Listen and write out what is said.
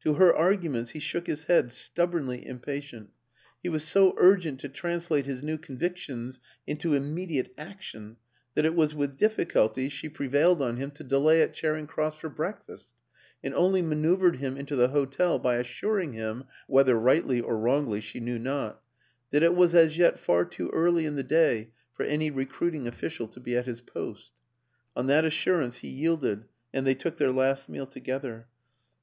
To her arguments he shook his head, stubbornly impatient; he was so urgent to translate his new convictions into imme diate action that it was with difficulty she pre 206 WILLIAM AN ENGLISHMAN vailed on him to delay at Charing Cross for break fast, and only maneuvered him into the hotel by assuring him whether rightly or wrongly she knew not that it was as yet far too early in the day for any recruiting official to be at his post. On that assurance he yielded, and they took their last meal together.